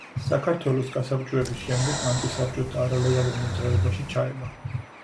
საქართველოს გასაბჭოების შემდეგ ანტისაბჭოთა არალეგალურ მოძრაობაში ჩაება.